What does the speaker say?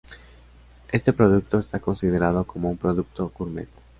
Este producto está considerado como un producto gourmet.